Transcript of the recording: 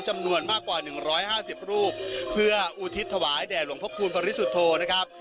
จำนวนมากกว่า๑๕๐รูปเพื่ออุทิศถวายแด่หลวงพระคูณปริสุทธโธนะครับ